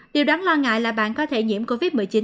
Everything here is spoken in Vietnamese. điều đáng lo ngại là bạn có thể nhiễm covid một mươi chín